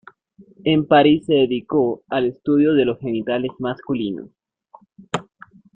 En París se dedicó al estudio de los genitales masculinos.